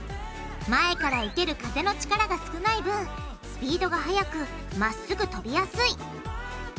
前から受ける風の力が少ない分スピードが速くまっすぐ飛びやすい。